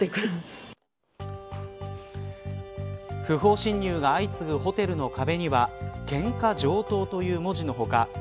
不法侵入が相次ぐホテルの壁にはケンカ上等という文字の他